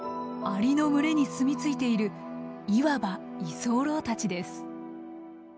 アリの群れにすみついているいわば居候たちです。